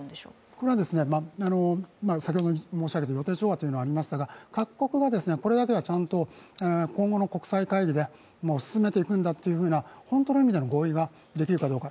これは予定調和というのがありましたが各国がこれだけは今後の国際会議で進めていくんだという、本当の意味での合意ができるかどうか。